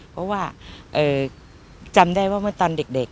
เพราะว่าจำได้ว่าเมื่อตอนเด็ก